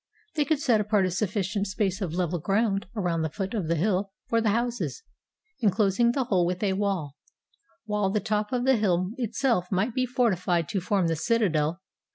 They could set apart a suflScient space of level ground around the foot of the hill for the houses — inclosing the whole with a wall — while the top of the hill itself might be fortified to form the citadel.